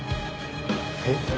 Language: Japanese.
えっ？